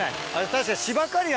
確かに。